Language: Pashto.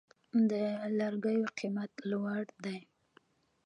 د لرګیو قیمت لوړ دی؟